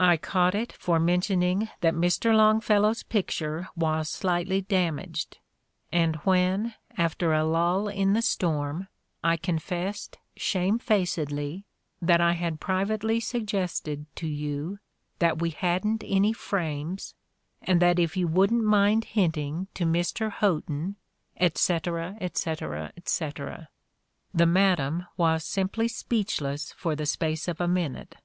I 'caught it' for mentioning that Mr. Longfel low's picture was slightly damaged; and when, after a lull in the storm, I confessed, shamefacedly, that I had privately suggested to you that we hadn't any frames, and that if you wouldn 't mind hinting to Mr. Houghton, etc., etc., etc., the madam was simply speechless for the space of a minute.